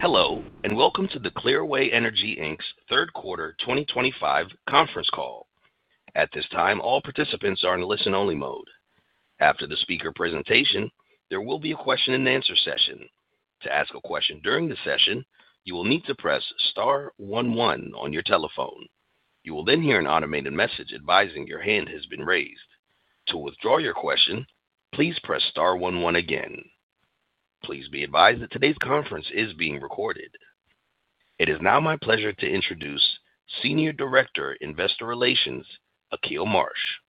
Hello, and welcome to the Clearway Energy, Inc.'s third quarter 2025 conference call. At this time, all participants are in listen-only mode. After the speaker presentation, there will be a question-and-answer session. To ask a question during the session, you will need to press star 11 on your telephone. You will then hear an automated message advising your hand has been raised. To withdraw your question, please press star 11 again. Please be advised that today's conference is being recorded. It is now my pleasure to introduce Senior Director, Investor Relations, Akil Marsh.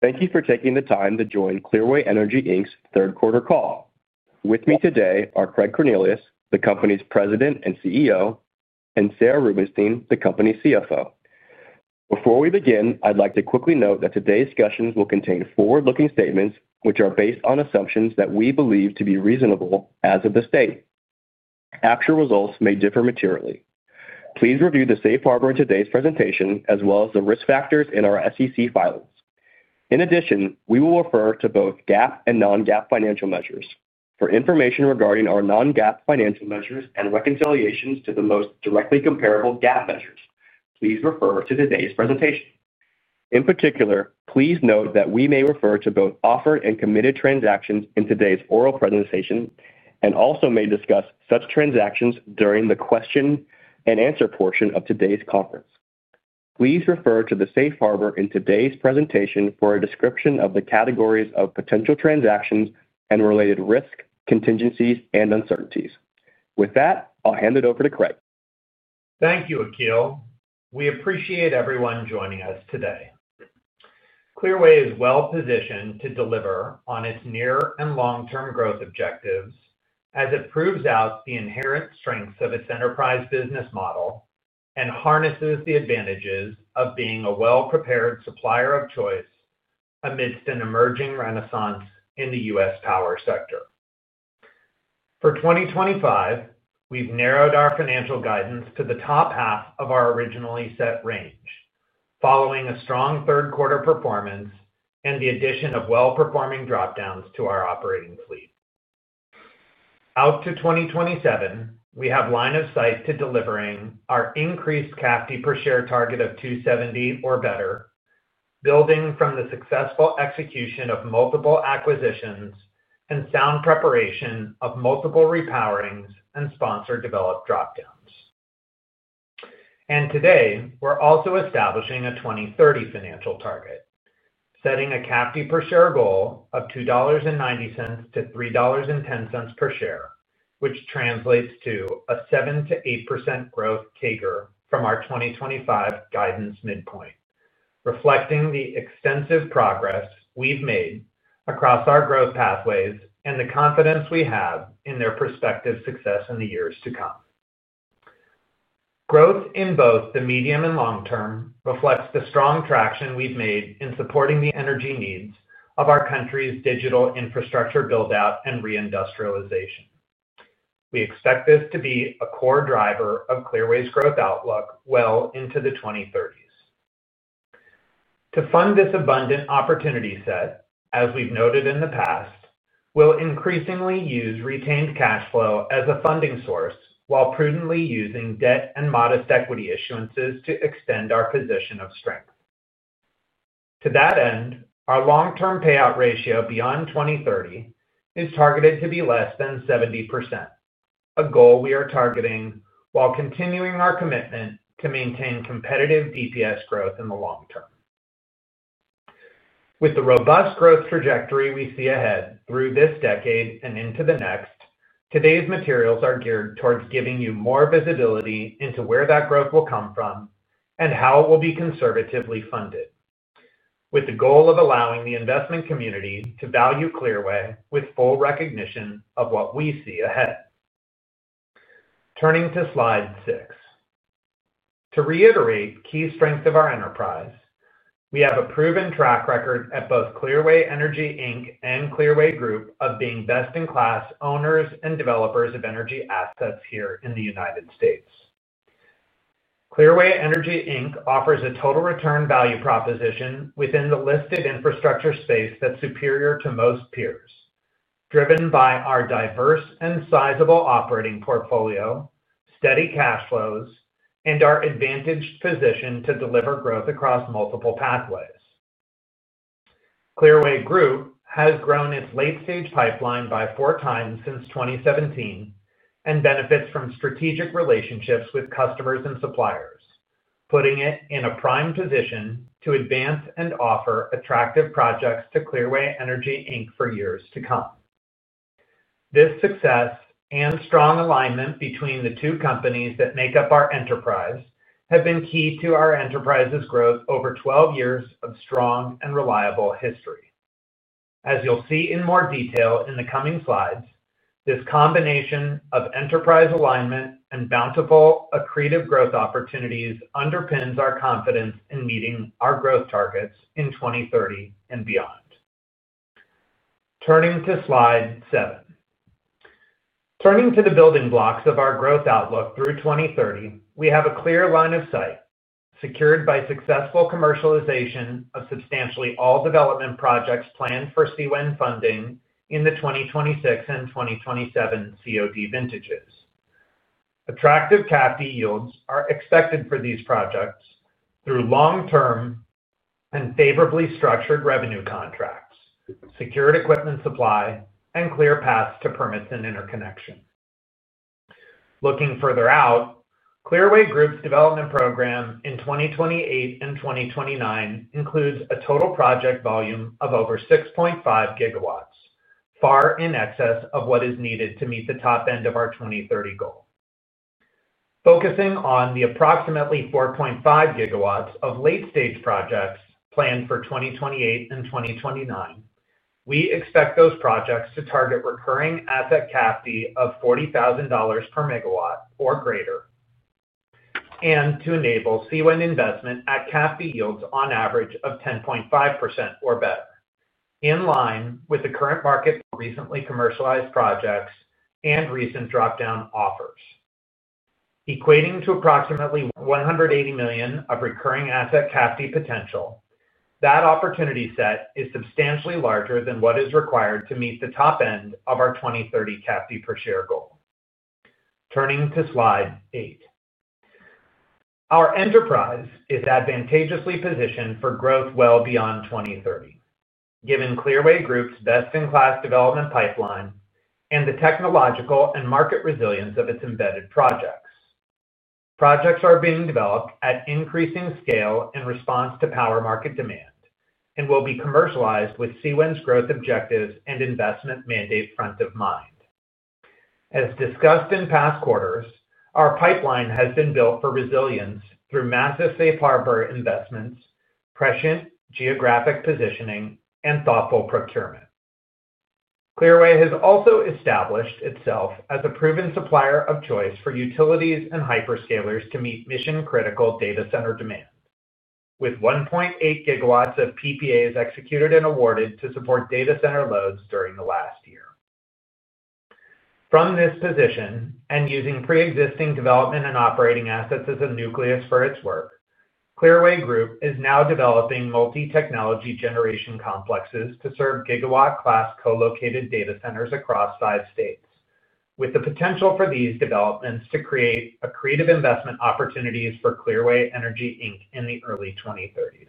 Thank you for taking the time to join Clearway Energy Inc.'s third quarter call. With me today are Craig Cornelius, the company's President and CEO, and Sarah Rubenstein, the company's CFO. Before we begin, I'd like to quickly note that today's discussions will contain forward-looking statements which are based on assumptions that we believe to be reasonable as of the date. Actual results may differ materially. Please review the safe harbor in today's presentation as well as the risk factors in our SEC filings. In addition, we will refer to both GAAP and non-GAAP financial measures. For information regarding our non-GAAP financial measures and reconciliations to the most directly comparable GAAP measures, please refer to today's presentation. In particular, please note that we may refer to both offered and committed transactions in today's oral presentation and also may discuss such transactions during the question-and-answer portion of today's conference. Please refer to the safe harbor in today's presentation for a description of the categories of potential transactions and related risk, contingencies, and uncertainties. With that, I'll hand it over to Craig. Thank you, Akil. We appreciate everyone joining us today. Clearway is well positioned to deliver on its near- and long-term growth objectives as it proves out the inherent strengths of its enterprise business model and harnesses the advantages of being a well-prepared supplier of choice amidst an emerging renaissance in the U.S. power sector. For 2025, we've narrowed our financial guidance to the top half of our originally set range, following a strong third quarter performance and the addition of well-performing dropdowns to our operating fleet. Out to 2027, we have line of sight to delivering our increased CAFD per share target of $2.70 or better, building from the successful execution of multiple acquisitions and sound preparation of multiple repowerings and sponsor-developed dropdowns. And today, we're also establishing a 2030 financial target, setting a CAFD per share goal of $2.90-$3.10 per share, which translates to a 7%-8% growth CAGR from our 2025 guidance midpoint, reflecting the extensive progress we've made across our growth pathways and the confidence we have in their prospective success in the years to come. Growth in both the medium and long term reflects the strong traction we've made in supporting the energy needs of our country's digital infrastructure build-out and reindustrialization. We expect this to be a core driver of Clearway's growth outlook well into the 2030s. To fund this abundant opportunity set, as we've noted in the past, we'll increasingly use retained cash flow as a funding source while prudently using debt and modest equity issuances to extend our position of strength. To that end, our long-term payout ratio beyond 2030 is targeted to be less than 70%. A goal we are targeting while continuing our commitment to maintain competitive DPS growth in the long term. With the robust growth trajectory we see ahead through this decade and into the next, today's materials are geared towards giving you more visibility into where that growth will come from and how it will be conservatively funded, with the goal of allowing the investment community to value Clearway with full recognition of what we see ahead. Turning to slide six. To reiterate key strengths of our enterprise, we have a proven track record at both Clearway Energy Inc. and Clearway Group of being best-in-class owners and developers of energy assets here in the United States. Clearway Energy Inc. offers a total return value proposition within the listed infrastructure space that's superior to most peers, driven by our diverse and sizable operating portfolio, steady cash flows, and our advantaged position to deliver growth across multiple pathways. Clearway Group has grown its late-stage pipeline by four times since 2017 and benefits from strategic relationships with customers and suppliers, putting it in a prime position to advance and offer attractive projects to Clearway Energy Inc. for years to come. This success and strong alignment between the two companies that make up our enterprise have been key to our enterprise's growth over 12 years of strong and reliable history. As you'll see in more detail in the coming slides, this combination of enterprise alignment and bountiful accretive growth opportunities underpins our confidence in meeting our growth targets in 2030 and beyond. Turning to slide seven. Turning to the building blocks of our growth outlook through 2030, we have a clear line of sight secured by successful commercialization of substantially all development projects planned for CWEN funding in the 2026 and 2027 COD vintages. Attractive CAFD yields are expected for these projects through long-term and favorably structured revenue contracts, secured equipment supply, and clear paths to permits and interconnection. Looking further out, Clearway Group's development program in 2028 and 2029 includes a total project volume of over 6.5 GW, far in excess of what is needed to meet the top end of our 2030 goal. Focusing on the approximately 4.5 GW of late-stage projects planned for 2028 and 2029, we expect those projects to target recurring asset CAFD of $40,000 per megawatt or greater. And to enable CWEN investment at CAFD yields on average of 10.5% or better, in line with the current market for recently commercialized projects and recent dropdown offers. Equating to approximately $180 million of recurring asset CAFD potential, that opportunity set is substantially larger than what is required to meet the top end of our 2030 CAFD per share goal. Turning to slide eight. Our enterprise is advantageously positioned for growth well beyond 2030, given Clearway Group's best-in-class development pipeline and the technological and market resilience of its embedded projects. Projects are being developed at increasing scale in response to power market demand and will be commercialized with CWEN's growth objectives and investment mandate front of mind. As discussed in past quarters, our pipeline has been built for resilience through massive safe harbor investments, prescient geographic positioning, and thoughtful procurement. Clearway has also established itself as a proven supplier of choice for utilities and hyperscalers to meet mission-critical data center demand, with 1.8 GW of PPAs executed and awarded to support data center loads during the last year. From this position and using pre-existing development and operating assets as a nucleus for its work, Clearway Group is now developing multi-technology generation complexes to serve gigawatt-class co-located data centers across five states, with the potential for these developments to create accretive investment opportunities for Clearway Energy, Inc. in the early 2030s.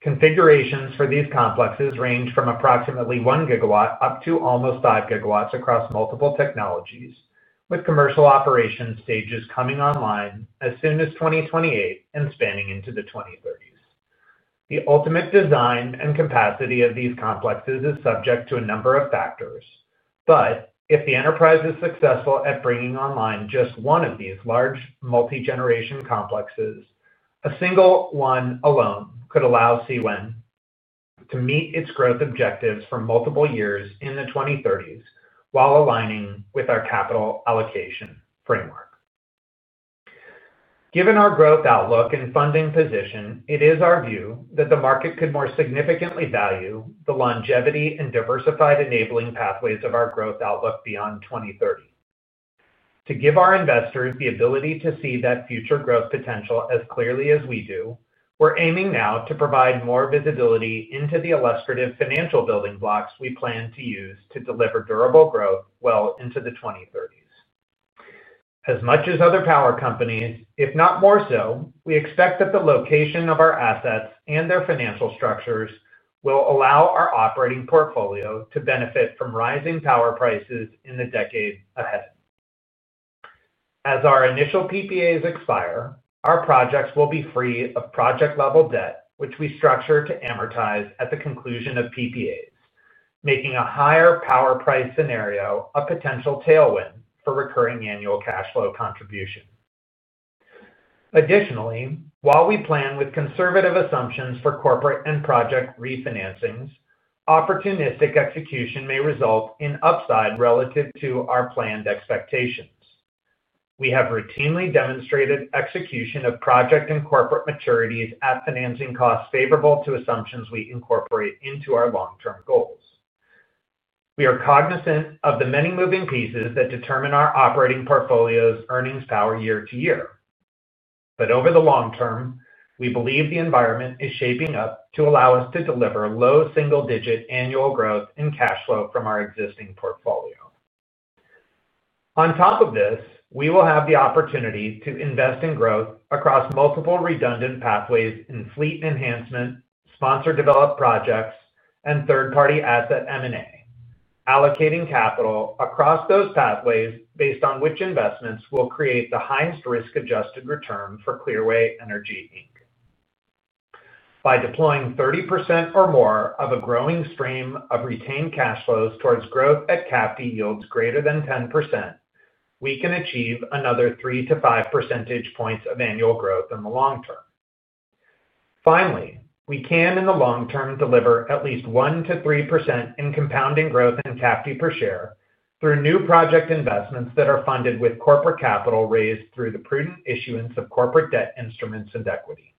Configurations for these complexes range from approximately 1 GW up to almost 5 GW across multiple technologies, with commercial operation stages coming online as soon as 2028 and spanning into the 2030s. The ultimate design and capacity of these complexes is subject to a number of factors, but if the enterprise is successful at bringing online just one of these large multi-generation complexes, a single one alone could allow CWEN to meet its growth objectives for multiple years in the 2030s while aligning with our capital allocation framework. Given our growth outlook and funding position, it is our view that the market could more significantly value the longevity and diversified enabling pathways of our growth outlook beyond 2030. To give our investors the ability to see that future growth potential as clearly as we do, we're aiming now to provide more visibility into the illustrative financial building blocks we plan to use to deliver durable growth well into the 2030s. As much as other power companies, if not more so, we expect that the location of our assets and their financial structures will allow our operating portfolio to benefit from rising power prices in the decade ahead. As our initial PPAs expire, our projects will be free of project-level debt, which we structure to amortize at the conclusion of PPA, making a higher power price scenario a potential tailwind for recurring annual cash flow contribution. Additionally, while we plan with conservative assumptions for corporate and project refinancings, opportunistic execution may result in upside relative to our planned expectations. We have routinely demonstrated execution of project and corporate maturities at financing costs favorable to assumptions we incorporate into our long-term goals. We are cognizant of the many moving pieces that determine our operating portfolio's earnings power year to year. But over the long term, we believe the environment is shaping up to allow us to deliver low single-digit annual growth in cash flow from our existing portfolio. On top of this, we will have the opportunity to invest in growth across multiple redundant pathways in fleet enhancement, sponsor-developed projects, and third-party asset M&A, allocating capital across those pathways based on which investments will create the highest risk-adjusted return for Clearway Energy Inc. By deploying 30% or more of a growing stream of retained cash flows towards growth at CAFD yields greater than 10%, we can achieve another 3-5 percentage points of annual growth in the long term. Finally, we can, in the long term, deliver at least 1%-3% in compounding growth in CAFD per share through new project investments that are funded with corporate capital raised through the prudent issuance of corporate debt instruments and equity.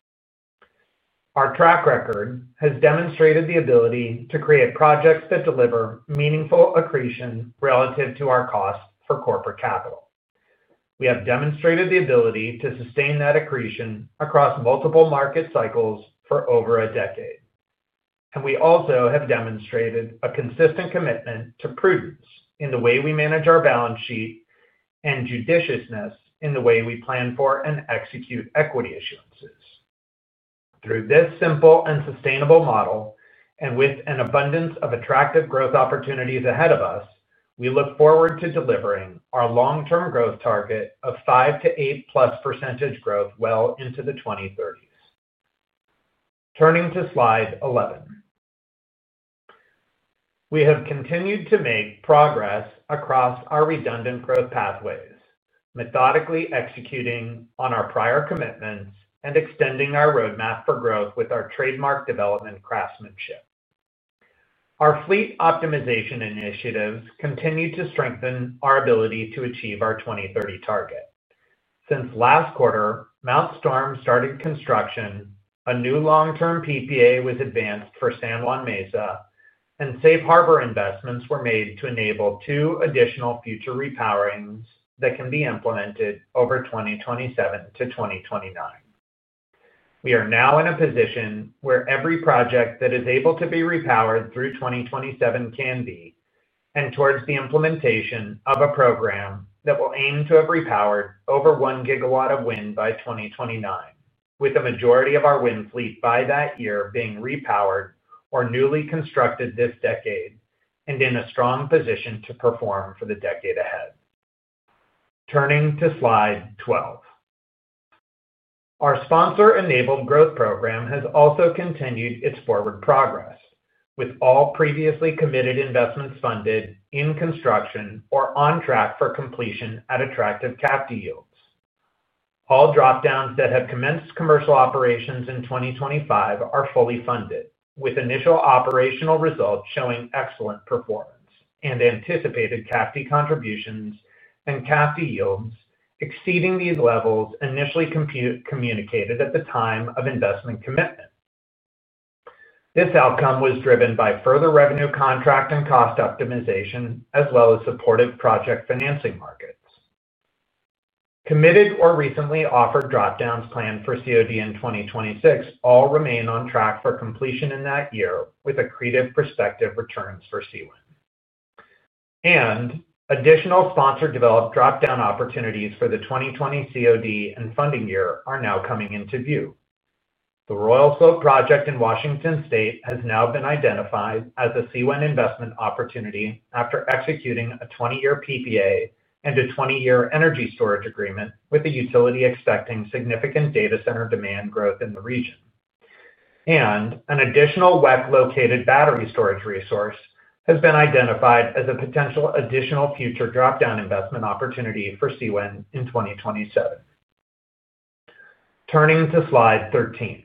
Our track record has demonstrated the ability to create projects that deliver meaningful accretion relative to our costs for corporate capital. We have demonstrated the ability to sustain that accretion across multiple market cycles for over a decade. We also have demonstrated a consistent commitment to prudence in the way we manage our balance sheet and judiciousness in the way we plan for and execute equity issuances. Through this simple and sustainable model, and with an abundance of attractive growth opportunities ahead of us, we look forward to delivering our long-term growth target of 5%-8%+ growth well into the 2030s. Turning to slide 11. We have continued to make progress across our redundant growth pathways, methodically executing on our prior commitments and extending our roadmap for growth with our trademark development craftsmanship. Our fleet optimization initiatives continue to strengthen our ability to achieve our 2030 target. Since last quarter, Mount Storm started construction, a new long-term PPA was advanced for San Juan Mesa, and safe harbor investments were made to enable two additional future repowerings that can be implemented over 2027-2029. We are now in a position where every project that is able to be repowered through 2027 can be, and towards the implementation of a program that will aim to have repowered over 1 GW of wind by 2029, with the majority of our wind fleet by that year being repowered or newly constructed this decade and in a strong position to perform for the decade ahead. Turning to slide 12. Our sponsor-enabled growth program has also continued its forward progress, with all previously committed investments funded in construction or on track for completion at attractive CAFD yields. All dropdowns that have commenced commercial operations in 2025 are fully funded, with initial operational results showing excellent performance and anticipated CAFD contributions and CAFD yields exceeding these levels initially communicated at the time of investment commitment. This outcome was driven by further revenue contract and cost optimization, as well as supportive project financing markets. Committed or recently offered dropdowns planned for COD in 2026 all remain on track for completion in that year with accretive prospective returns for CWEN, and additional sponsor-developed dropdown opportunities for the 2020 COD and funding year are now coming into view. The Royal Slope project in Washington State has now been identified as a CWEN investment opportunity after executing a 20-year PPA and a 20-year energy storage agreement with a utility expecting significant data center demand growth in the region, and an additional WEC located battery storage resource has been identified as a potential additional future dropdown investment opportunity for CWEN in 2027. Turning to slide 13.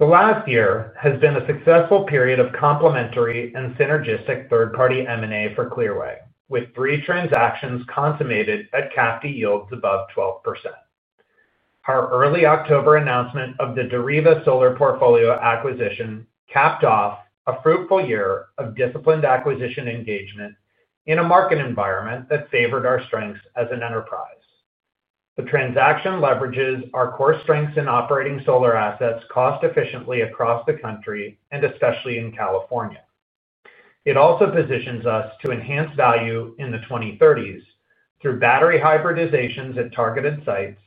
The last year has been a successful period of complementary and synergistic third-party M&A for Clearway, with three transactions consummated at CAFD yields above 12%. Our early October announcement of the Deriva Solar portfolio acquisition capped off a fruitful year of disciplined acquisition engagement in a market environment that favored our strengths as an enterprise. The transaction leverages our core strengths in operating solar assets cost-efficiently across the country and especially in California. It also positions us to enhance value in the 2030s through battery hybridizations at targeted sites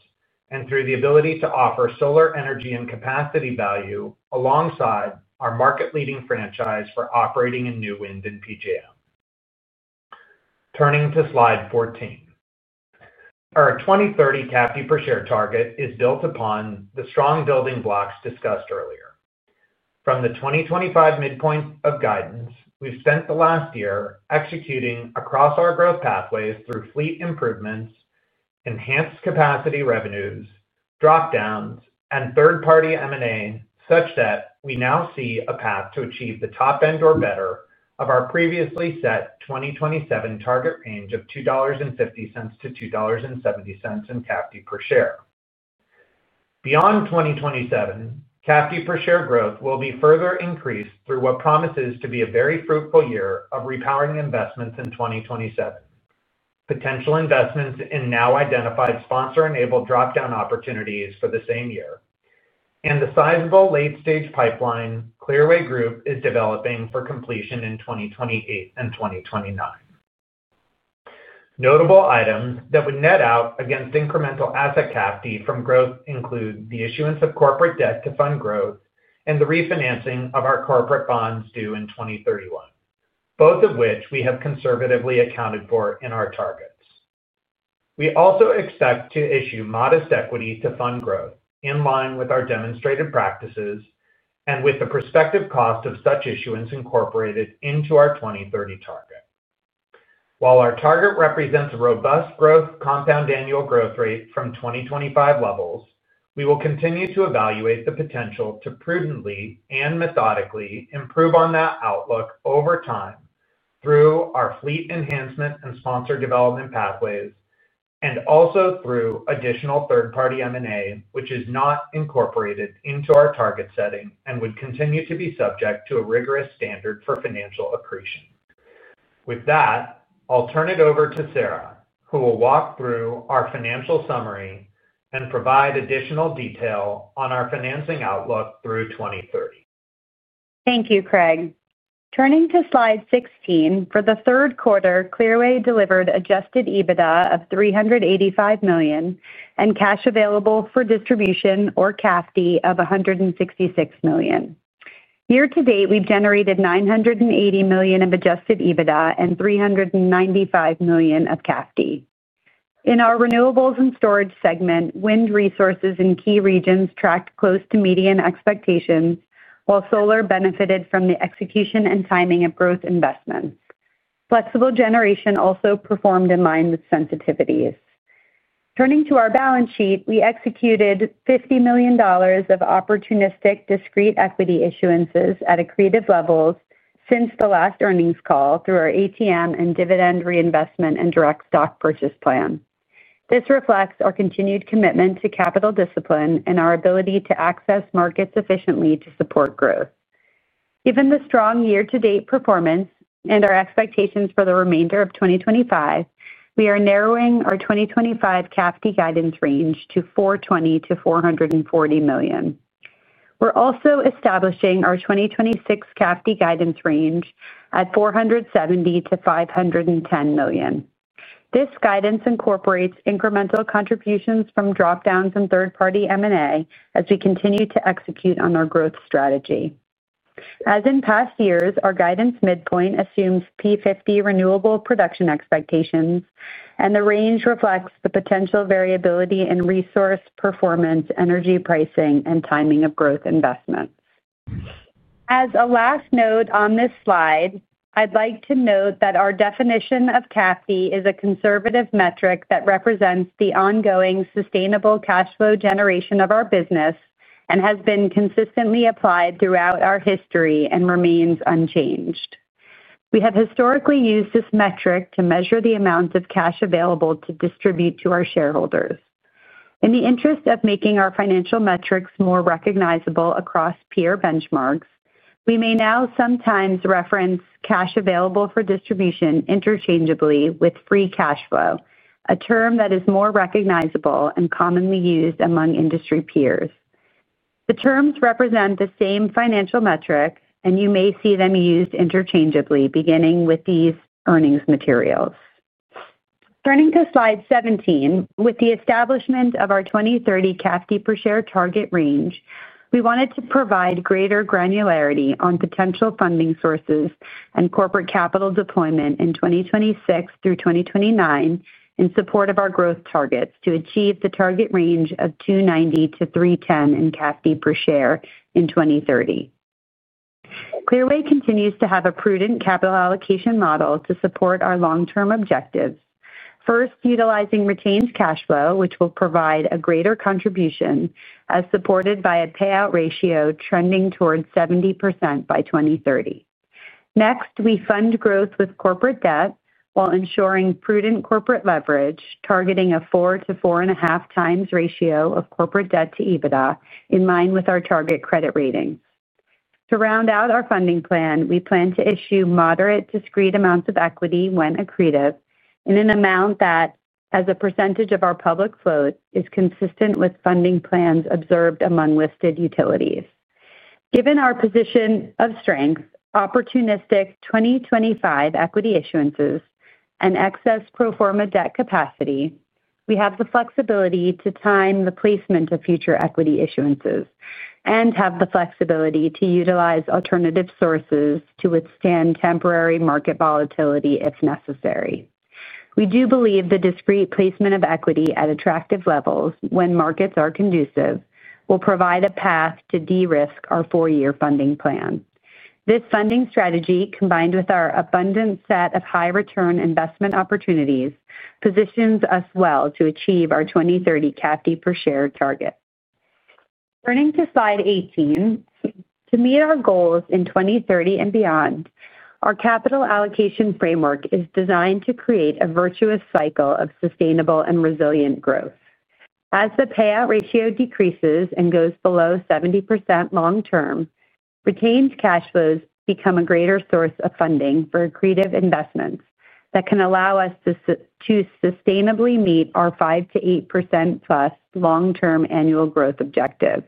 and through the ability to offer solar energy and capacity value alongside our market-leading franchise for operating in new wind and PJM. Turning to slide 14. Our 2030 CAFD per share target is built upon the strong building blocks discussed earlier. From the 2025 midpoint of guidance, we've spent the last year executing across our growth pathways through fleet improvements, enhanced capacity revenues, dropdowns, and third-party M&A such that we now see a path to achieve the top end or better of our previously set 2027 target range of $2.50-$2.70 in CAFD per share. Beyond 2027, CAFD per share growth will be further increased through what promises to be a very fruitful year of repowering investments in 2027. Potential investments in now identified sponsor-enabled dropdown opportunities for the same year, and the sizable late-stage pipeline Clearway Group is developing for completion in 2028 and 2029. Notable items that would net out against incremental asset CAFD from growth include the issuance of corporate debt to fund growth and the refinancing of our corporate bonds due in 2031, both of which we have conservatively accounted for in our targets. We also expect to issue modest equity to fund growth in line with our demonstrated practices and with the prospective cost of such issuance incorporated into our 2030 target. While our target represents a robust growth compound annual growth rate from 2025 levels, we will continue to evaluate the potential to prudently and methodically improve on that outlook over time through our fleet enhancement and sponsor development pathways, and also through additional third-party M&A, which is not incorporated into our target setting and would continue to be subject to a rigorous standard for financial accretion. With that, I'll turn it over to Sarah, who will walk through our financial summary and provide additional detail on our financing outlook through 2030. Thank you, Craig. Turning to slide 16, for the third quarter, Clearway delivered Adjusted EBITDA of $385 million and cash available for distribution or CAFD of $166 million. Year to date, we've generated $980 million of adjusted EBITDA and $395 million of CAFD. In our renewables and storage segment, wind resources in key regions tracked close to median expectations, while solar benefited from the execution and timing of growth investments. Flexible generation also performed in line with sensitivities. Turning to our balance sheet, we executed $50 million of opportunistic discrete equity issuances at accretive levels since the last earnings call through our ATM and dividend reinvestment and direct stock purchase plan. This reflects our continued commitment to capital discipline and our ability to access markets efficiently to support growth. Given the strong year-to-date performance and our expectations for the remainder of 2025, we are narrowing our 2025 CAFD guidance range to $420 million-$440 million. We're also establishing our 2026 CAFD guidance range at $470 million-$510 million. This guidance incorporates incremental contributions from dropdowns and third-party M&A as we continue to execute on our growth strategy. As in past years, our guidance midpoint assumes P50 renewable production expectations, and the range reflects the potential variability in resource performance, energy pricing, and timing of growth investments. As a last note on this slide, I'd like to note that our definition of CAFD is a conservative metric that represents the ongoing sustainable cash flow generation of our business and has been consistently applied throughout our history and remains unchanged. We have historically used this metric to measure the amount of cash available to distribute to our shareholders. In the interest of making our financial metrics more recognizable across peer benchmarks, we may now sometimes reference cash available for distribution interchangeably with free cash flow, a term that is more recognizable and commonly used among industry peers. The terms represent the same financial metric, and you may see them used interchangeably, beginning with these earnings materials. Turning to slide 17, with the establishment of our 2030 CAFD per share target range, we wanted to provide greater granularity on potential funding sources and corporate capital deployment in 2026 through 2029 in support of our growth targets to achieve the target range of $2.90-$3.10 in CAFD per share in 2030. Clearway continues to have a prudent capital allocation model to support our long-term objectives, first utilizing retained cash flow, which will provide a greater contribution as supported by a payout ratio trending towards 70% by 2030. Next, we fund growth with corporate debt while ensuring prudent corporate leverage, targeting a 4x-4.5x ratio of corporate debt-to-EBITDA in line with our target credit ratings. To round out our funding plan, we plan to issue moderate discrete amounts of equity when accretive in an amount that, as a percentage of our public float, is consistent with funding plans observed among listed utilities. Given our position of strength, opportunistic 2025 equity issuances, and excess pro forma debt capacity, we have the flexibility to time the placement of future equity issuances and have the flexibility to utilize alternative sources to withstand temporary market volatility if necessary. We do believe the discrete placement of equity at attractive levels when markets are conducive will provide a path to de-risk our four-year funding plan. This funding strategy, combined with our abundant set of high-return investment opportunities, positions us well to achieve our 2030 CAFD per share target. Turning to slide 18. To meet our goals in 2030 and beyond, our capital allocation framework is designed to create a virtuous cycle of sustainable and resilient growth. As the payout ratio decreases and goes below 70% long-term, retained cash flows become a greater source of funding for accretive investments that can allow us to sustainably meet our 5%-8% plus long-term annual growth objective.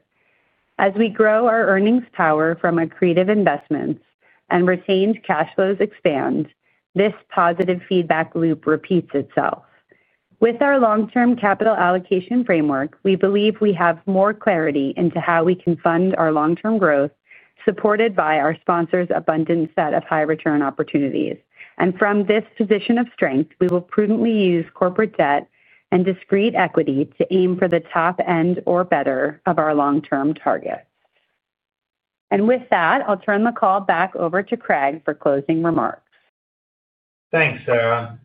As we grow our earnings power from accretive investments and retained cash flows expand, this positive feedback loop repeats itself. With our long-term capital allocation framework, we believe we have more clarity into how we can fund our long-term growth, supported by our sponsor's abundant set of high-return opportunities. From this position of strength, we will prudently use corporate debt and discrete equity to aim for the top end or better of our long-term targets. With that, I'll turn the call back over to Craig for closing remarks. Thanks, Sarah.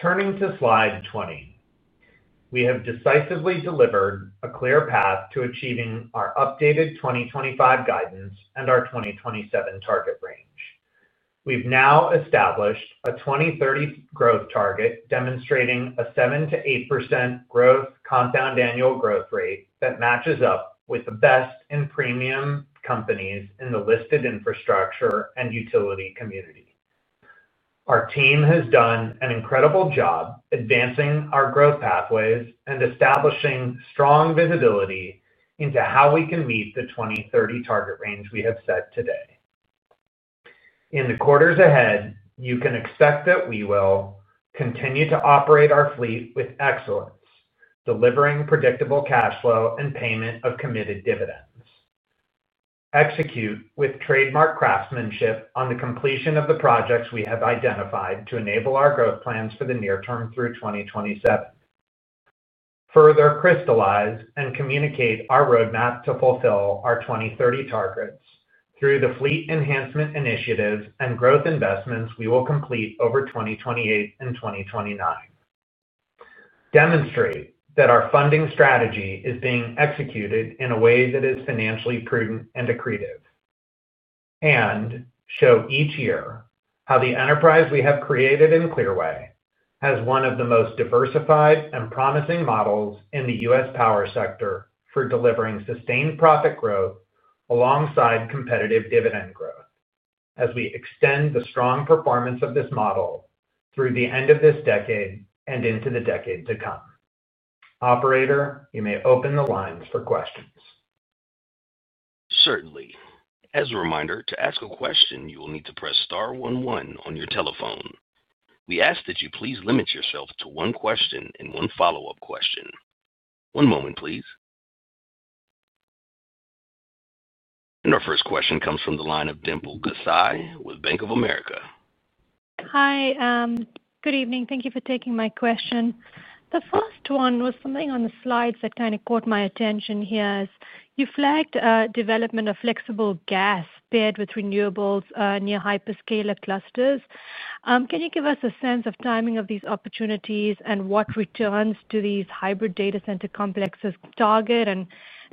Turning to slide 20. We have decisively delivered a clear path to achieving our updated 2025 guidance and our 2027 target range. We've now established a 2030 growth target demonstrating a 7%-8% growth compound annual growth rate that matches up with the best in premium companies in the listed infrastructure and utility community. Our team has done an incredible job advancing our growth pathways and establishing strong visibility into how we can meet the 2030 target range we have set today. In the quarters ahead, you can expect that we will continue to operate our fleet with excellence, delivering predictable cash flow and payment of committed dividends. Execute with trademark craftsmanship on the completion of the projects we have identified to enable our growth plans for the near term through 2027. Further crystallize and communicate our roadmap to fulfill our 2030 targets through the fleet enhancement initiatives and growth investments we will complete over 2028 and 2029. Demonstrate that our funding strategy is being executed in a way that is financially prudent and accretive and show each year how the enterprise we have created in Clearway has one of the most diversified and promising models in the U.S. power sector for delivering sustained profit growth alongside competitive dividend growth as we extend the strong performance of this model through the end of this decade and into the decade to come. Operator, you may open the lines for questions. Certainly. As a reminder, to ask a question, you will need to press star 1 1 on your telephone. We ask that you please limit yourself to one question and one follow-up question. One moment, please. Our first question comes from the line of Dimple Gosai with Bank of America. Hi. Good evening. Thank you for taking my question. The first one was something on the slides that kind of caught my attention here. You flagged development of flexible gas paired with renewables near hyperscaler clusters. Can you give us a sense of timing of these opportunities and what returns do these hybrid data center complexes target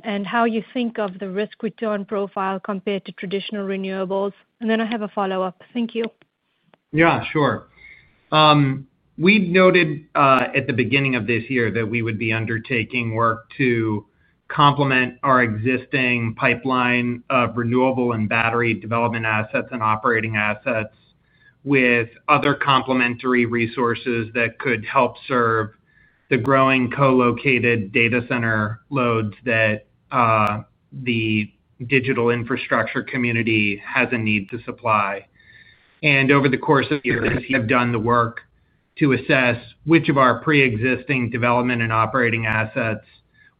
and how you think of the risk-return profile compared to traditional renewables? I have a follow-up. Thank you. Yeah, sure. We noted at the beginning of this year that we would be undertaking work to complement our existing pipeline of renewable and battery development assets and operating assets with other complementary resources that could help serve the growing co-located data center loads that. The digital infrastructure community has a need to supply. Over the course of years, we have done the work to assess which of our pre-existing development and operating assets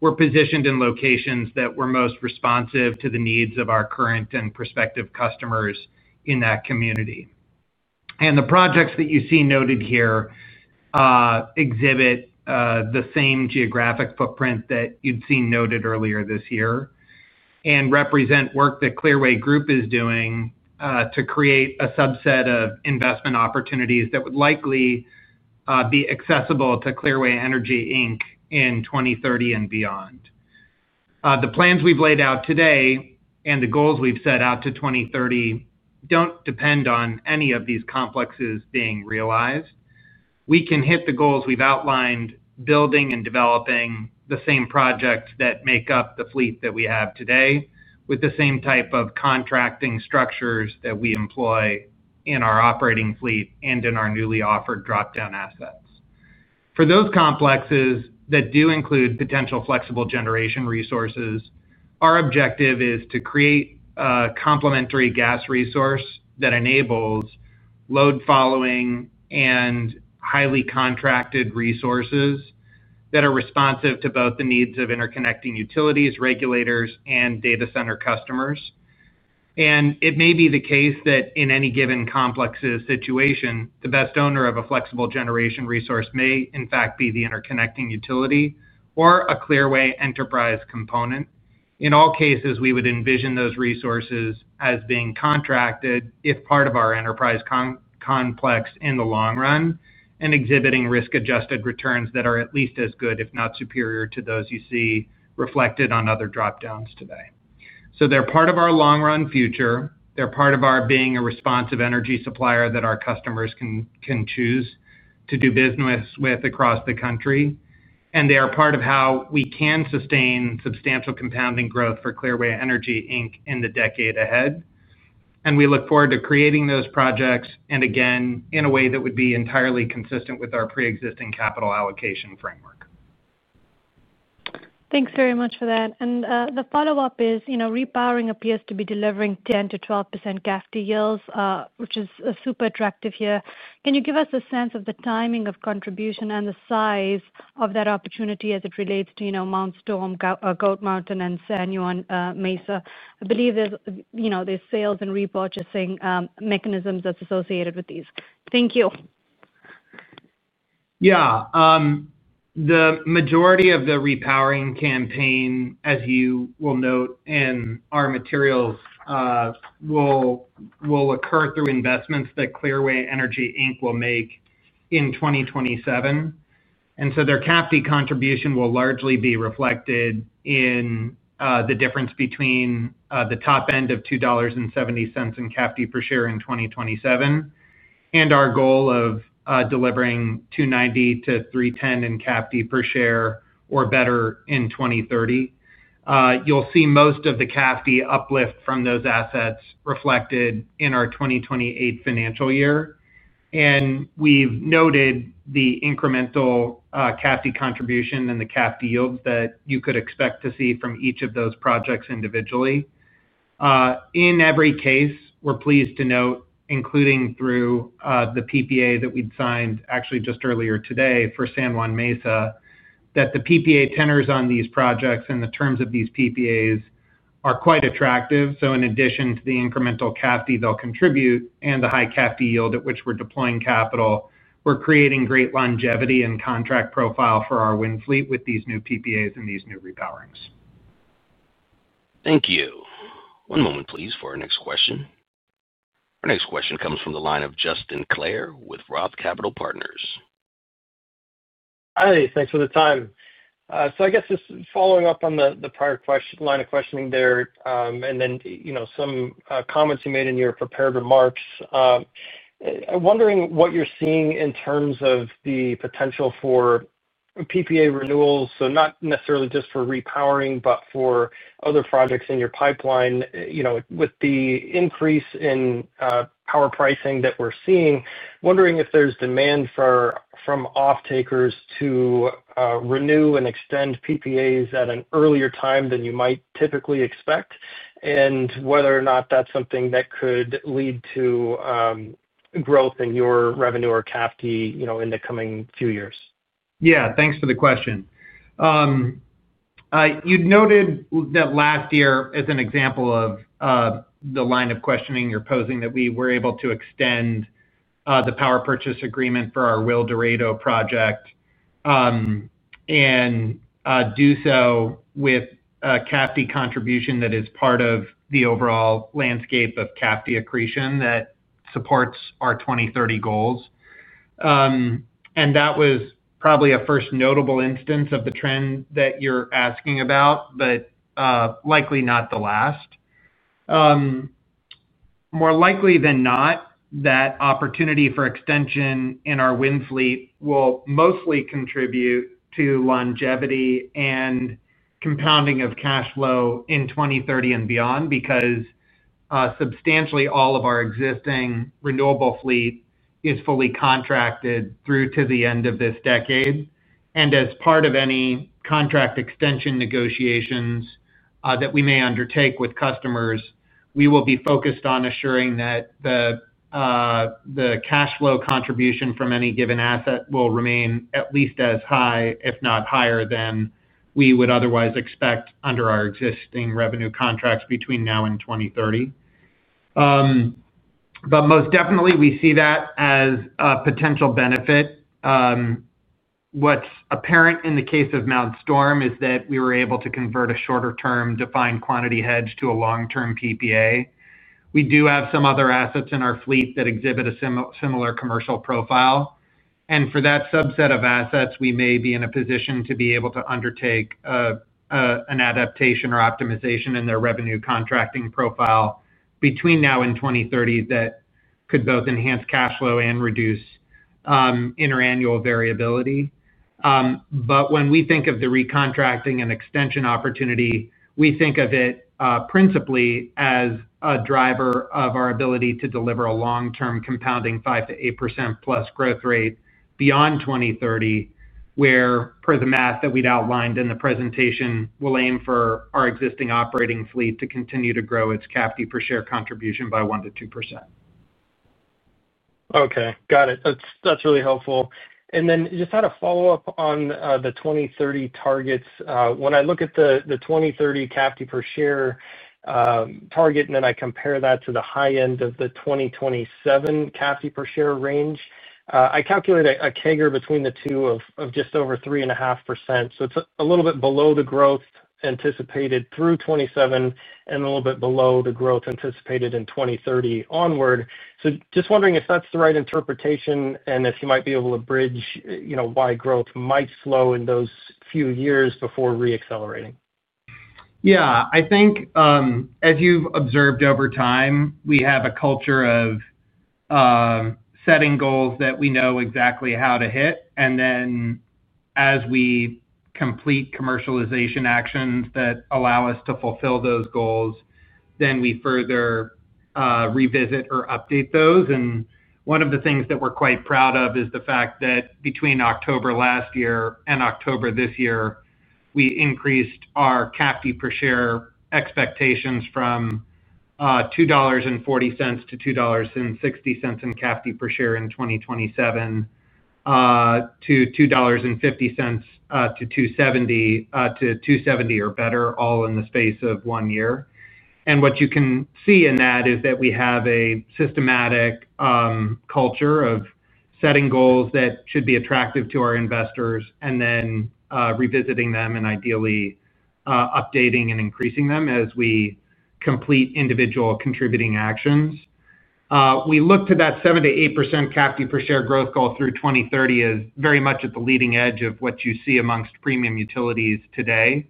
were positioned in locations that were most responsive to the needs of our current and prospective customers in that community. The projects that you see noted here exhibit the same geographic footprint that you'd seen noted earlier this year and represent work that Clearway Group is doing to create a subset of investment opportunities that would likely be accessible to Clearway Energy, Inc. in 2030 and beyond. The plans we've laid out today and the goals we've set out to 2030 don't depend on any of these complexes being realized. We can hit the goals we've outlined building and developing the same projects that make up the fleet that we have today with the same type of contracting structures that we employ in our operating fleet and in our newly offered dropdown assets. For those complexes that do include potential flexible generation resources, our objective is to create a complementary gas resource that enables load-following and highly contracted resources that are responsive to both the needs of interconnecting utilities, regulators, and data center customers. It may be the case that in any given complex situation, the best owner of a flexible generation resource may, in fact, be the interconnecting utility or a Clearway enterprise component. In all cases, we would envision those resources as being contracted if part of our enterprise complex in the long run and exhibiting risk-adjusted returns that are at least as good, if not superior, to those you see reflected on other dropdowns today. They're part of our long-run future. They're part of our being a responsive energy supplier that our customers can choose to do business with across the country, and they are part of how we can sustain substantial compounding growth for Clearway Energy, Inc. in the decade ahead, and we look forward to creating those projects, and again, in a way that would be entirely consistent with our pre-existing capital allocation framework. Thanks very much for that. The follow-up is repowering appears to be delivering 10%-12% CAFD yields, which is super attractive here. Can you give us a sense of the timing of contribution and the size of that opportunity as it relates to Mount Storm, Goat Mountain, and San Juan Mesa? I believe there's sales and repurchasing mechanisms that's associated with these. Thank you. Yeah. The majority of the repowering campaign, as you will note in our materials, will occur through investments that Clearway Energy, Inc. will make in 2027. Their CAFD contribution will largely be reflected in the difference between the top end of $2.70 in CAFD per share in 2027 and our goal of delivering $2.90-$3.10 in CAFD per share or better in 2030. You'll see most of the CAFD uplift from those assets reflected in our 2028 financial year. We've noted the incremental CAFD contribution and the cap yields that you could expect to see from each of those projects individually. In every case, we're pleased to note, including through the PPA that we'd signed actually just earlier today for San Juan Mesa, that the PPA tenors on these projects and the terms of these PPAs are quite attractive. In addition to the incremental CAFD they'll contribute and the high CAFD yield at which we're deploying capital, we're creating great longevity and contract profile for our wind fleet with these new PPAs and these new repowerings. Thank you. One moment, please, for our next question. Our next question comes from the line of Justin Clare with Roth Capital Partners. Hi. Thanks for the time. I guess just following up on the prior line of questioning there and then some comments you made in your prepared remarks, I'm wondering what you're seeing in terms of the potential for PPA renewals, so not necessarily just for repowering, but for other projects in your pipeline. With the increase in power pricing that we're seeing, wondering if there's demand from off-takers to renew and extend PPAs at an earlier time than you might typically expect and whether or not that's something that could lead to growth in your revenue or CAFD in the coming few years. Yeah. Thanks for the question. You'd noted that last year as an example of the line of questioning you're posing that we were able to extend the power purchase agreement for our Wildorado project and do so with CAFD contribution that is part of the overall landscape of CAFD accretion that supports our 2030 goals. That was probably a first notable instance of the trend that you're asking about, but likely not the last. More likely than not, that opportunity for extension in our wind fleet will mostly contribute to longevity and compounding of cash flow in 2030 and beyond because substantially all of our existing renewable fleet is fully contracted through to the end of this decade. As part of any contract extension negotiations that we may undertake with customers, we will be focused on assuring that the cash flow contribution from any given asset will remain at least as high, if not higher, than we would otherwise expect under our existing revenue contracts between now and 2030. Most definitely, we see that as a potential benefit. What's apparent in the case of Mount Storm is that we were able to convert a shorter-term defined quantity hedge to a long-term PPA. We do have some other assets in our fleet that exhibit a similar commercial profile. For that subset of assets, we may be in a position to be able to undertake an adaptation or optimization in their revenue contracting profile between now and 2030 that could both enhance cash flow and reduce interannual variability. When we think of the recontracting and extension opportunity, we think of it principally as a driver of our ability to deliver a long-term compounding 5%-8%+ growth rate beyond 2030, where per the math that we'd outlined in the presentation, we'll aim for our existing operating fleet to continue to grow its CAFD per share contribution by 1%-2%. Okay. Got it. That's really helpful. Just had a follow-up on the 2030 targets. When I look at the 2030 CAFD per share target and then I compare that to the high end of the 2027 CAFD per share range, I calculate a CAGR between the two of just over 3.5%. It's a little bit below the growth anticipated through 2027 and a little bit below the growth anticipated in 2030 onward. Just wondering if that's the right interpretation and if you might be able to bridge why growth might slow in those few years before re-accelerating. Yeah, I think as you've observed over time, we have a culture of setting goals that we know exactly how to hit, and then as we complete commercialization actions that allow us to fulfill those goals, then we further revisit or update those. One of the things that we're quite proud of is the fact that between October last year and October this year, we increased our CAFD per share expectations from $2.40-$2.60 in CAFD per share in 2027 to $2.50-$2.70 or better, all in the space of one year. What you can see in that is that we have a systematic culture of setting goals that should be attractive to our investors and then revisiting them and ideally updating and increasing them as we complete individual contributing actions. We look to that 7%-8% CAFD per share growth goal through 2030 as very much at the leading edge of what you see amongst premium utilities today.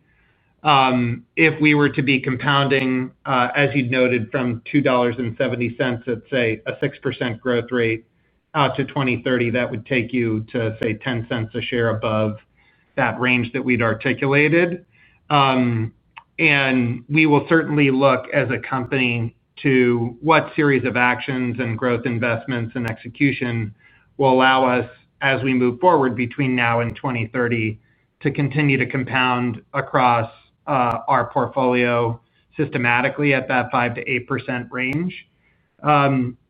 If we were to be compounding, as you'd noted, from $2.70 at, say, a 6% growth rate out to 2030, that would take you to, say, $0.10 a share above that range that we'd articulated. We will certainly look, as a company, to what series of actions and growth investments and execution will allow us, as we move forward between now and 2030, to continue to compound across our portfolio systematically at that 5%-8% range.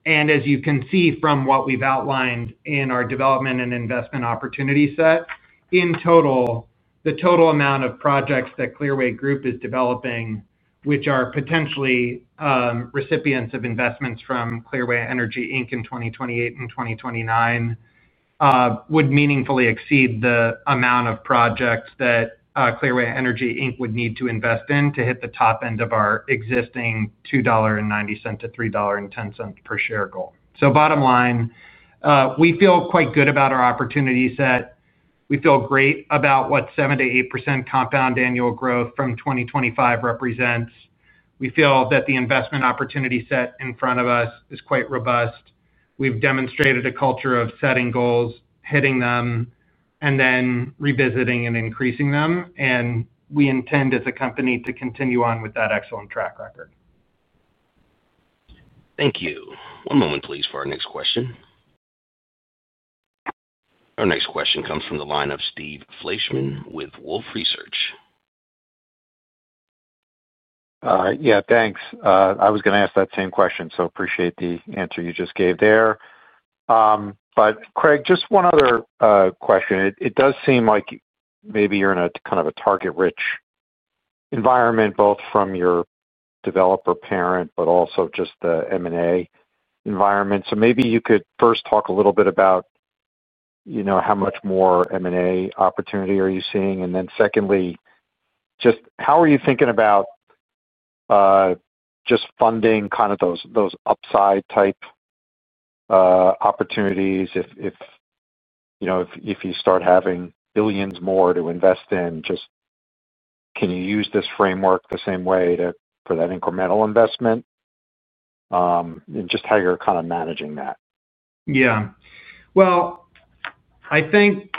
As you can see from what we've outlined in our development and investment opportunity set, in total, the total amount of projects that Clearway Group is developing, which are potentially recipients of investments from Clearway Energy, Inc., in 2028 and 2029 would meaningfully exceed the amount of projects that Clearway Energy, Inc., would need to invest in to hit the top end of our existing $2.90-$3.10 per share goal. Bottom line, we feel quite good about our opportunity set. We feel great about what 7%-8% compound annual growth from 2025 represents. We feel that the investment opportunity set in front of us is quite robust. We've demonstrated a culture of setting goals, hitting them, and then revisiting and increasing them. We intend, as a company, to continue on with that excellent track record. Thank you. One moment, please, for our next question. Our next question comes from the line of Steven Fleishman with Wolfe Research. Yeah. Thanks. I was going to ask that same question, so appreciate the answer you just gave there. Craig, just one other question. It does seem like maybe you're in a kind of a target-rich. Environment, both from your developer parent but also just the M&A environment. Maybe you could first talk a little bit about how much more M&A opportunity are you seeing? Secondly, just how are you thinking about. Just funding kind of those upside type. Opportunities if. You start having billions more to invest in? Can you use this framework the same way for that incremental investment and just how you're kind of managing that? Yeah. Well. I think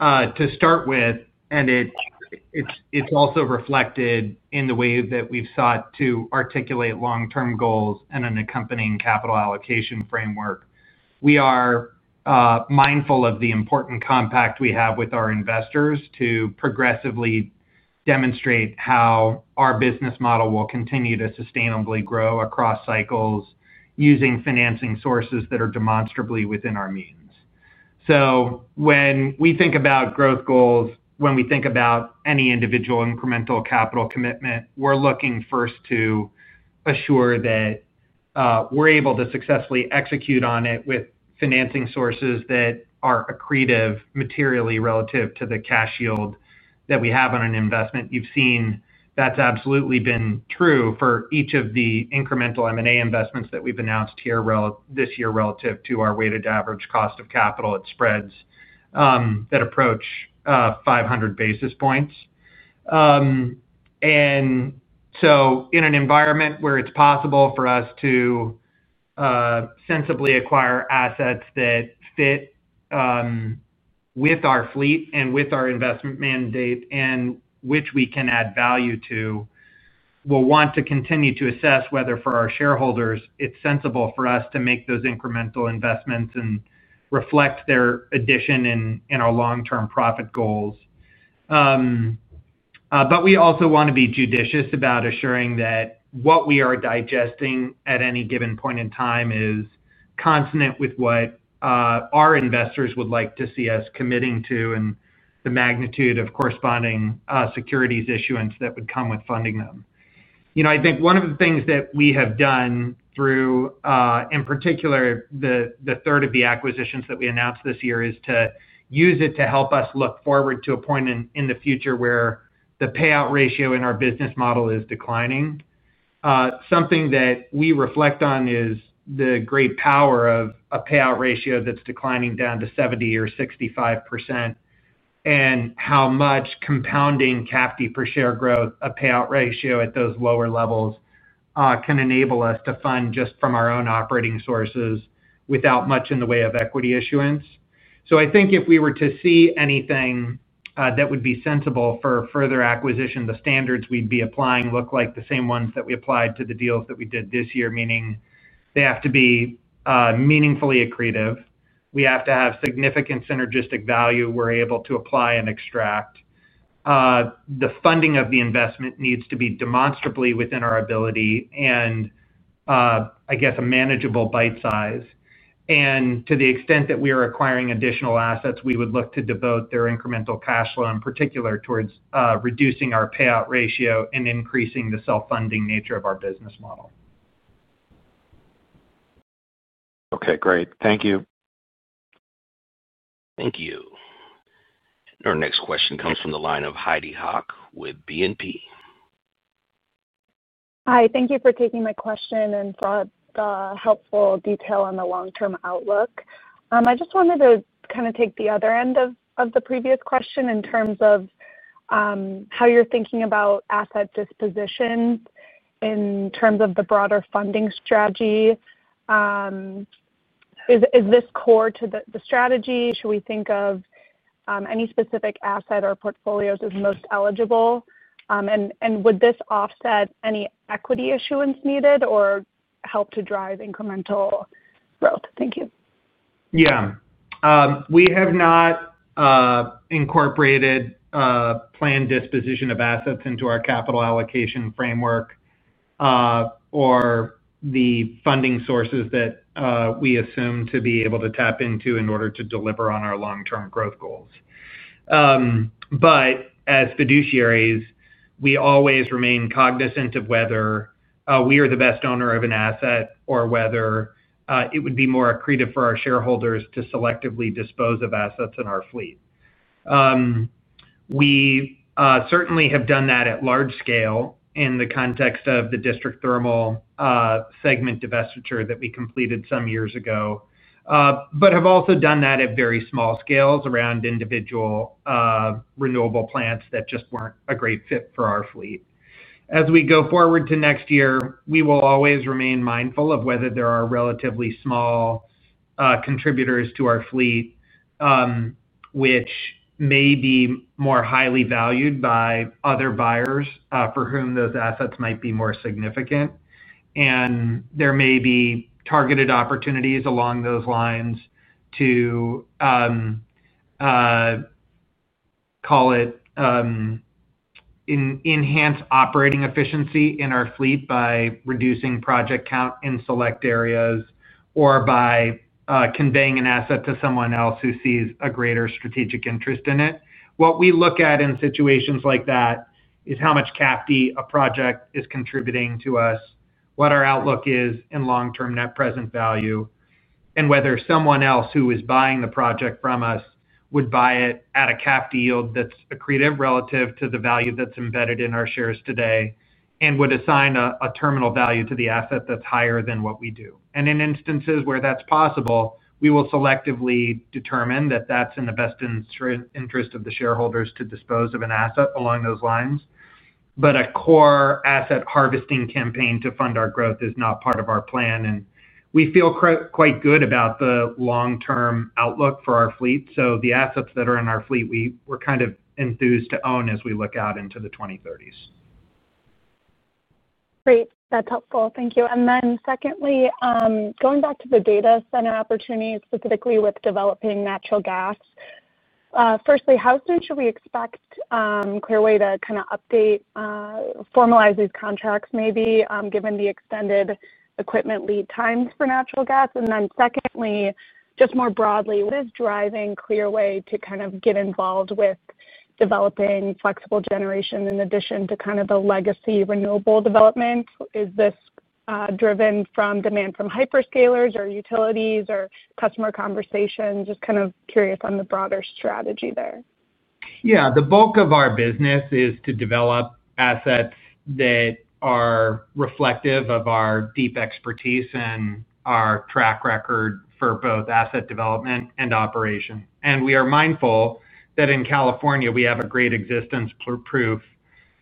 to start with, and it's also reflected in the way that we've sought to articulate long-term goals and an accompanying capital allocation framework, we are mindful of the important compact we have with our investors to progressively demonstrate how our business model will continue to sustainably grow across cycles using financing sources that are demonstrably within our means. When we think about growth goals, when we think about any individual incremental capital commitment, we're looking first to assure that we're able to successfully execute on it with financing sources that are accretive materially relative to the cash yield that we have on an investment. You've seen that's absolutely been true for each of the incremental M&A investments that we've announced this year relative to our weighted average cost of capital. It spreads that approach, 500 basis points. In an environment where it's possible for us to sensibly acquire assets that fit with our fleet and with our investment mandate and which we can add value to, we'll want to continue to assess whether, for our shareholders, it's sensible for us to make those incremental investments and reflect their addition in our long-term profit goals, but we also want to be judicious about assuring that what we are digesting at any given point in time is consonant with what our investors would like to see us committing to and the magnitude of corresponding securities issuance that would come with funding them. I think one of the things that we have done through, in particular, the third of the acquisitions that we announced this year is to use it to help us look forward to a point in the future where the payout ratio in our business model is declining. Something that we reflect on is the great power of a payout ratio that's declining down to 70% or 65%, and how much compounding cap per share growth, a payout ratio at those lower levels, can enable us to fund just from our own operating sources without much in the way of equity issuance. I think if we were to see anything that would be sensible for further acquisition, the standards we'd be applying look like the same ones that we applied to the deals that we did this year, meaning they have to be meaningfully accretive. We have to have significant synergistic value we're able to apply and extract. The funding of the investment needs to be demonstrably within our ability and, I guess, a manageable bite size. To the extent that we are acquiring additional assets, we would look to devote their incremental cash flow, in particular, towards reducing our payout ratio and increasing the self-funding nature of our business model. Okay. Great. Thank you. Thank you. Our next question comes from the line of Heidi Hauch with BNP. Hi. Thank you for taking my question and brought helpful detail on the long-term outlook. I just wanted to kind of take the other end of the previous question in terms of how you're thinking about asset disposition in terms of the broader funding strategy. Is this core to the strategy? Should we think of any specific asset or portfolios as most eligible? Would this offset any equity issuance needed or help to drive incremental growth? Thank you. Yeah. We have not incorporated planned disposition of assets into our capital allocation framework or the funding sources that we assume to be able to tap into in order to deliver on our long-term growth goals, but as fiduciaries, we always remain cognizant of whether we are the best owner of an asset or whether it would be more accretive for our shareholders to selectively dispose of assets in our fleet. We certainly have done that at large scale in the context of the district thermal segment divestiture that we completed some years ago, but have also done that at very small scales around individual renewable plants that just weren't a great fit for our fleet. As we go forward to next year, we will always remain mindful of whether there are relatively small contributors to our fleet which may be more highly valued by other buyers for whom those assets might be more significant. There may be targeted opportunities along those lines to, call it, enhance operating efficiency in our fleet by reducing project count in select areas or by conveying an asset to someone else who sees a greater strategic interest in it. What we look at in situations like that is how much CAFD a project is contributing to us, what our outlook is in long-term net present value, and whether someone else who is buying the project from us would buy it at a CAFD yield that's accretive relative to the value that's embedded in our shares today and would assign a terminal value to the asset that's higher than what we do. In instances where that's possible, we will selectively determine that that's in the best interest of the shareholders to dispose of an asset along those lines. A core asset harvesting campaign to fund our growth is not part of our plan. We feel quite good about the long-term outlook for our fleet. The assets that are in our fleet, we're kind of enthused to own as we look out into the 2030s. Great. That's helpful. Thank you. Secondly, going back to the data center opportunity, specifically with developing natural gas. Firstly, how soon should we expect Clearway to kind of update, formalize these contracts, maybe, given the extended equipment lead times for natural gas? Secondly, just more broadly, what is driving Clearway to kind of get involved with developing flexible generation in addition to kind of the legacy renewable development? Is this driven from demand from hyperscalers or utilities or customer conversations? Just kind of curious on the broader strategy there. Yeah. The bulk of our business is to develop assets that are reflective of our deep expertise and our track record for both asset development and operation. We are mindful that in California, we have a great existence proof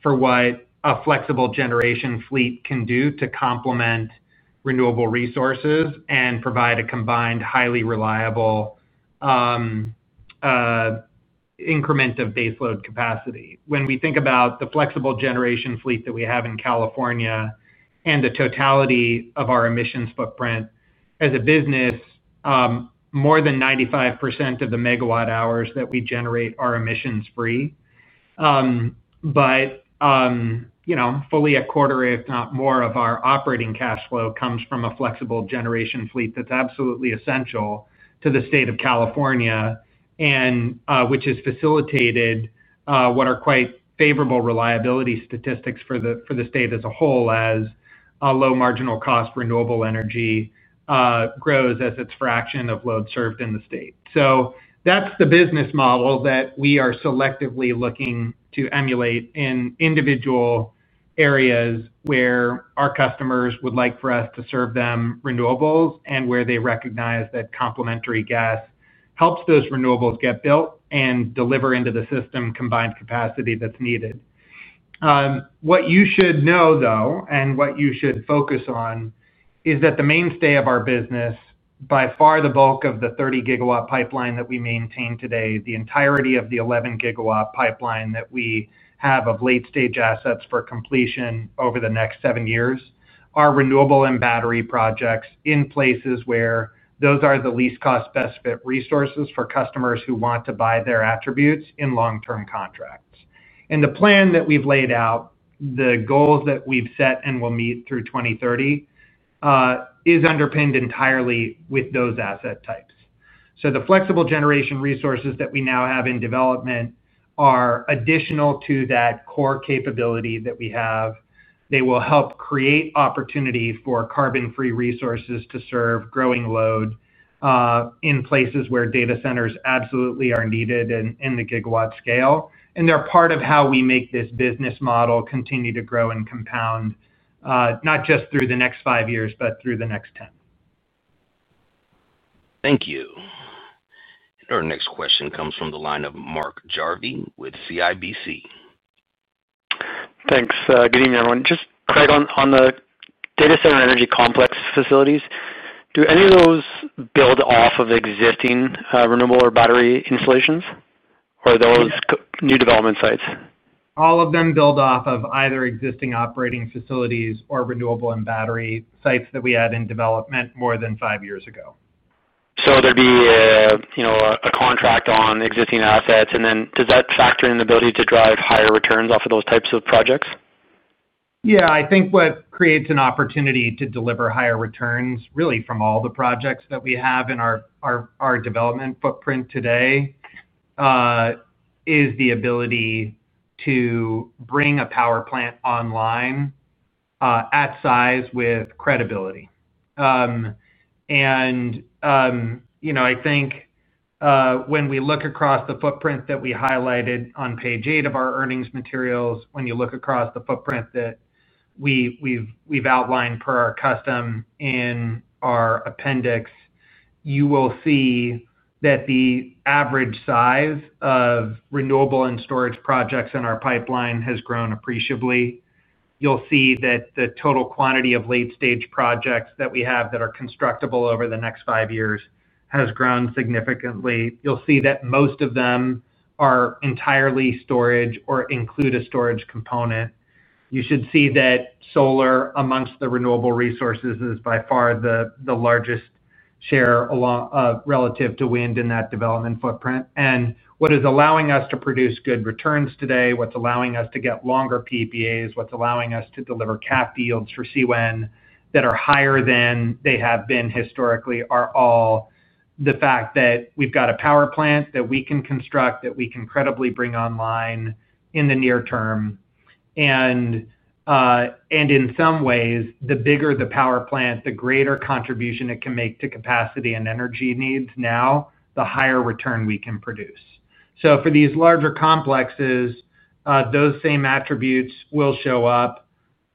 for what a flexible generation fleet can do to complement renewable resources and provide a combined highly reliable increment of baseload capacity. When we think about the flexible generation fleet that we have in California and the totality of our emissions footprint, as a business, more than 95% of the megawatt hours that we generate are emissions-free. Fully 1/4, if not more, of our operating cash flow comes from a flexible generation fleet that's absolutely essential to the state of California, which has facilitated what are quite favorable reliability statistics for the state as a whole as low-marginal cost renewable energy grows as its fraction of load served in the state. That's the business model that we are selectively looking to emulate in individual areas where our customers would like for us to serve them renewables and where they recognize that complementary gas helps those renewables get built and deliver into the system combined capacity that's needed. What you should know, though, and what you should focus on, is that the mainstay of our business. By far the bulk of the 30 GW pipeline that we maintain today, the entirety of the 11 GW pipeline that we have of late-stage assets for completion over the next seven years, are renewable and battery projects in places where those are the least cost-benefit resources for customers who want to buy their attributes in long-term contracts. The plan that we've laid out, the goals that we've set and will meet through 2030, is underpinned entirely with those asset types. The flexible generation resources that we now have in development are additional to that core capability that we have. They will help create opportunity for carbon-free resources to serve growing load in places where data centers absolutely are needed and in the gigawatt scale, and they're part of how we make this business model continue to grow and compound, not just through the next five years, but through the next 10. Thank you. Our next question comes from the line of Mark Jarvi with CIBC. Thanks. Good evening, everyone. Just Craig, on the data center energy complex facilities, do any of those build off of existing renewable or battery installations or those new development sites? All of them build off of either existing operating facilities or renewable and battery sites that we had in development more than five years ago. There'd be a contract on existing assets. Does that factor in the ability to drive higher returns off of those types of projects? Yeah. I think what creates an opportunity to deliver higher returns, really, from all the projects that we have in our development footprint today, is the ability to bring a power plant online at size with credibility. I think when we look across the footprint that we highlighted on page 8 of our earnings materials, when you look across the footprint that we've outlined per our custom in our appendix, you will see that the average size of renewable and storage projects in our pipeline has grown appreciably. You'll see that the total quantity of late-stage projects that we have that are constructible over the next five years has grown significantly. You'll see that most of them are entirely storage or include a storage component. You should see that solar, amongst the renewable resources, is by far the largest share relative to wind in that development footprint, and what is allowing us to produce good returns today, what's allowing us to get longer PPAs, what's allowing us to deliver cap yields for CWEN that are higher than they have been historically, are all the fact that we've got a power plant that we can construct, that we can credibly bring online in the near term. In some ways, the bigger the power plant, the greater contribution it can make to capacity and energy needs now, the higher return we can produce. For these larger complexes, those same attributes will show up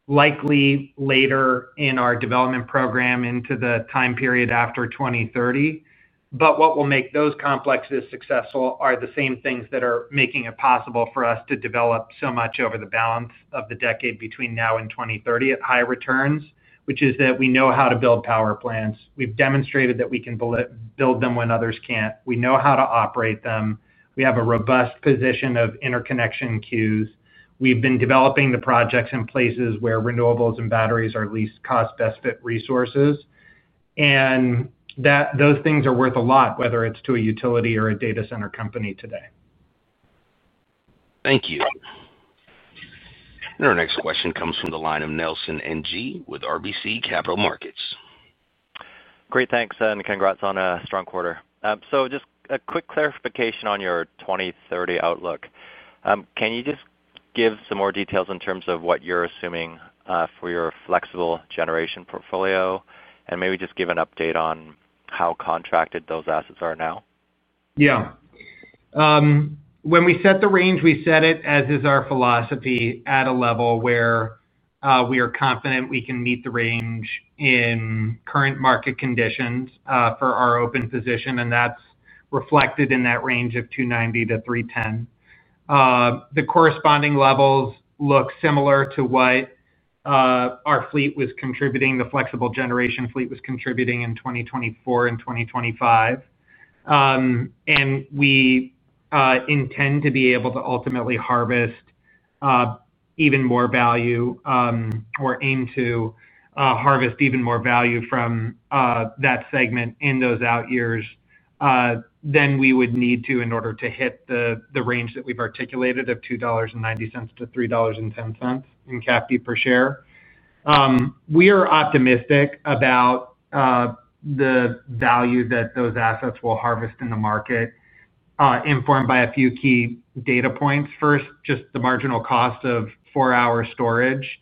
likely later in our development program into the time period after 2030. What will make those complexes successful are the same things that are making it possible for us to develop so much over the balance of the decade between now and 2030 at high returns, which is that we know how to build power plants. We've demonstrated that we can build them when others can't. We know how to operate them. We have a robust position of interconnection queues. We've been developing the projects in places where renewables and batteries are least cost-benefit resources. Those things are worth a lot, whether it's to a utility or a data center company today. Thank you. Our next question comes from the line of Nelson Ng with RBC Capital Markets. Great. Thanks. Congrats on a strong quarter. Just a quick clarification on your 2030 outlook. Can you just give some more details in terms of what you're assuming for your flexible generation portfolio and maybe just give an update on how contracted those assets are now? Yeah. When we set the range, we set it, as is our philosophy, at a level where we are confident we can meet the range in current market conditions for our open position. That's reflected in that range of $2.90-$3.10. The corresponding levels look similar to what our fleet was contributing, the flexible generation fleet was contributing in 2024 and 2025 and we intend to be able to ultimately harvest even more value or aim to harvest even more value from that segment in those out years than we would need to in order to hit the range that we've articulated of $2.90-$3.10 in CAFD per share. We are optimistic about the value that those assets will harvest in the market, informed by a few key data points. First, just the marginal cost of four-hour storage,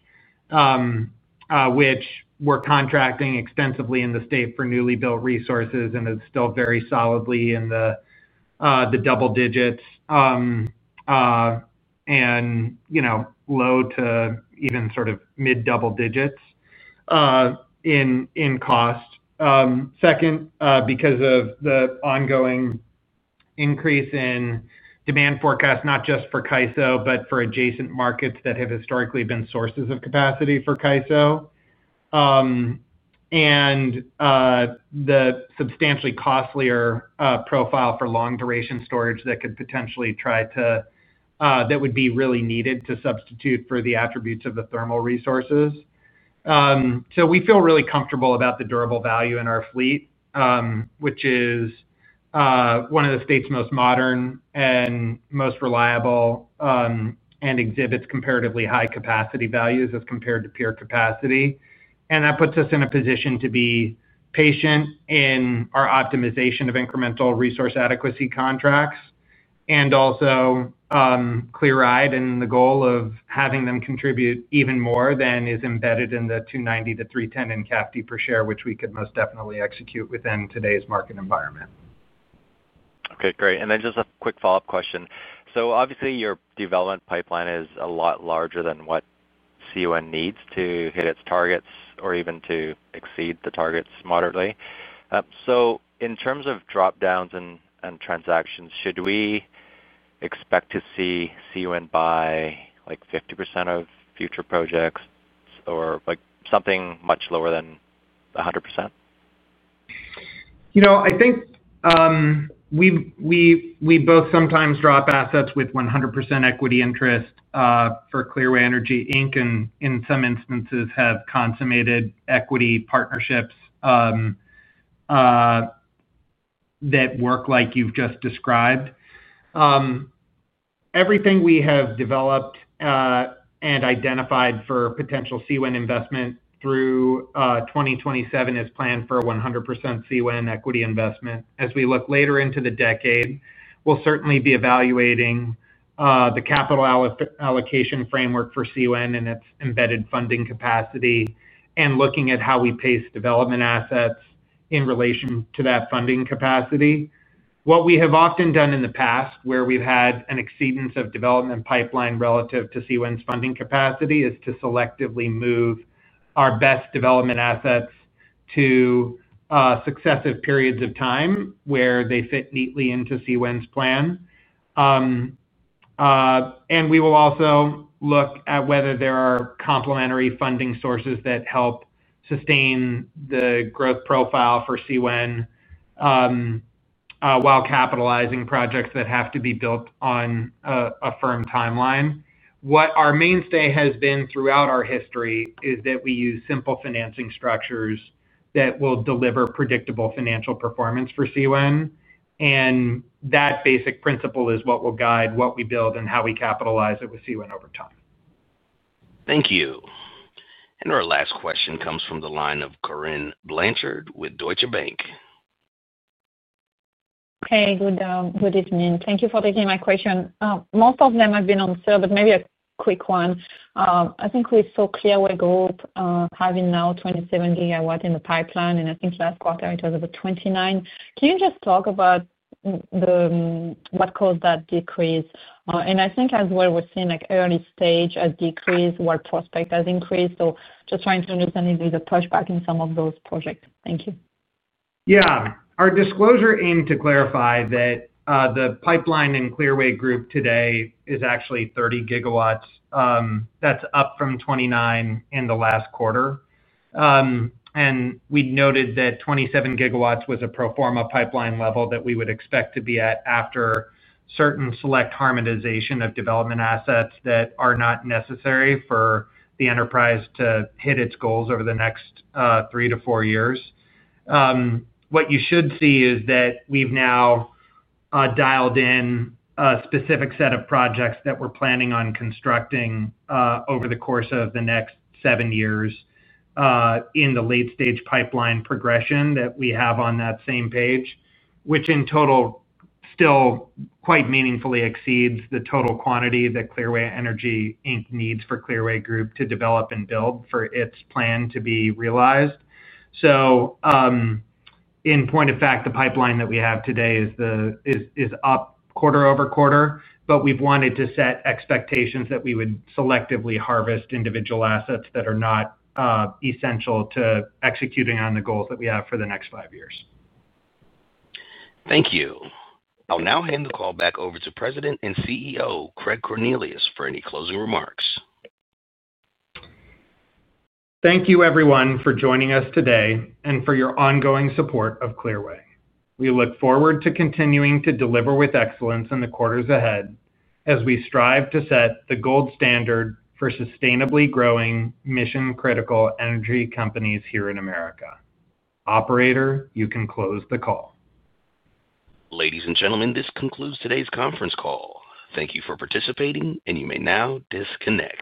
which we're contracting extensively in the state for newly built resources and is still very solidly in the double digits and low to even sort of mid-double digits in cost. Second, because of the ongoing increase in demand forecast, not just for CAISO, but for adjacent markets that have historically been sources of capacity for CAISO and the substantially costlier profile for long-duration storage that would be really needed to substitute for the attributes of the thermal resources. We feel really comfortable about the durable value in our fleet, which is one of the state's most modern and most reliable and exhibits comparatively high capacity values as compared to pure capacity. That puts us in a position to be patient in our optimization of incremental resource adequacy contracts and also clear-eyed in the goal of having them contribute even more than is embedded in the $2.90-$3.10 in CAFD per share, which we could most definitely execute within today's market environment. Okay. Great. Just a quick follow-up question. Obviously, your development pipeline is a lot larger than what CWEN needs to hit its targets or even to exceed the targets moderately. In terms of dropdowns and transactions, should we expect to see CWEN buy 50% of future projects or something much lower than 100%? I think we both sometimes drop assets with 100% equity interest for Clearway Energy, Inc., and in some instances, have consummated equity partnerships that work like you've just described. Everything we have developed and identified for potential CWEN investment through 2027 is planned for 100% CWEN equity investment. As we look later into the decade, we'll certainly be evaluating the capital allocation framework for CWEN and its embedded funding capacity and looking at how we pace development assets in relation to that funding capacity. What we have often done in the past, where we've had an exceedance of development pipeline relative to CWEN's funding capacity, is to selectively move our best development assets to successive periods of time where they fit neatly into CWEN's plan. We will also look at whether there are complementary funding sources that help sustain the growth profile for CWEN while capitalizing projects that have to be built on a firm timeline. What our mainstay has been throughout our history is that we use simple financing structures that will deliver predictable financial performance for CWEN. That basic principle is what will guide what we build and how we capitalize it with CWEN over time. Thank you. Our last question comes from the line of Corinne Blanchard with Deutsche Bank. Hey. Good afternoon. Thank you for taking my question. Most of them have been answered, but maybe a quick one. I think we saw Clearway Group having now 27 GW in the pipeline, and I think last quarter it was about 29 GW. Can you just talk about what caused that decrease? And I think as well, we're seeing early-stage decrease where prospects have increased. Just trying to understand if there's a pushback in some of those projects. Thank you. Yeah. Our disclosure aimed to clarify that the pipeline in Clearway Group today is actually 30 GW. That's up from 29 GW in the last quarter. We noted that 27 GW was a pro forma pipeline level that we would expect to be at after certain select harmonization of development assets that are not necessary for the enterprise to hit its goals over the next three to four years. What you should see is that we've now dialed in a specific set of projects that we're planning on constructing over the course of the next seven years. In the late-stage pipeline progression that we have on that same page, which in total still quite meaningfully exceeds the total quantity that Clearway Energy, Inc. needs for Clearway Group to develop and build for its plan to be realized. In point of fact, the pipeline that we have today is up quarter-over-quarter, but we've wanted to set expectations that we would selectively harvest individual assets that are not essential to executing on the goals that we have for the next five years. Thank you. I'll now hand the call back over to President and CEO Craig Cornelius for any closing remarks. Thank you, everyone, for joining us today and for your ongoing support of Clearway. We look forward to continuing to deliver with excellence in the quarters ahead as we strive to set the gold standard for sustainably growing mission-critical energy companies here in America. Operator, you can close the call. Ladies and gentlemen, this concludes today's conference call. Thank you for participating, and you may now disconnect.